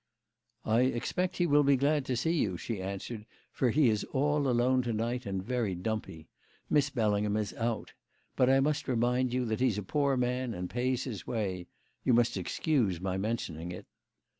"I expect he will be glad to see you," she answered, "for he is all alone to night and very dumpy. Miss Bellingham is out. But I must remind you that he's a poor man and pays his way. You must excuse my mentioning it."